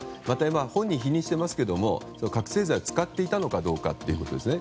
本人は否認していますが覚醒剤を使っていたのかということですね。